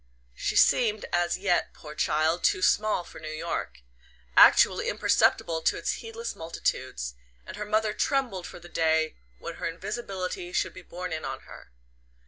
She seemed as yet poor child! too small for New York: actually imperceptible to its heedless multitudes; and her mother trembled for the day when her invisibility should be borne in on her.